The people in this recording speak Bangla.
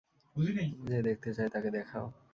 যে দেখতে চায় তাকে দেখাও!